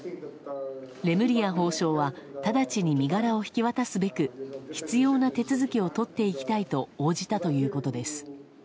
レムリヤ法相は直ちに身柄を引き渡すべく必要な手続きをとっていきたいと応じたということです。